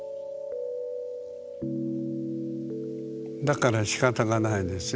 だからしかたがないですね。